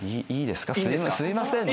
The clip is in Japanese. すいませんね。